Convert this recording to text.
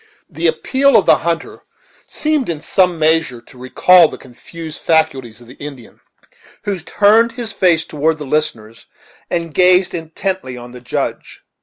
The appeal of the hunter seemed in some measure to recall the confused faculties of the Indian, who turned his face toward the listeners and gazed intently on the Judge.